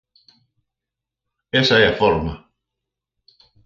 ¡Esa é a forma!